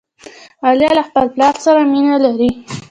عالیه له خپل پلار سره مینه لري.